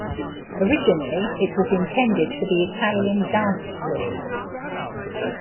Originally, it was intended for the Italian dancefloors.